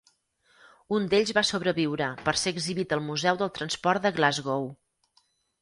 Un d'ells va sobreviure per ser exhibit al Museu del Transport de Glasgow.